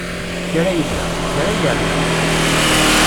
Kra illa, kra irna.